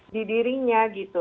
di dirinya gitu